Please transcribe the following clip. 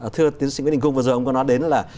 thưa tiến sĩ nguyễn đình cung vừa rồi ông có nói đến là